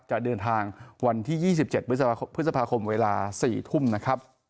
จะเดินทางวันที่๒๗พฤษภาคมเวลา๔ทุ่มนะครับ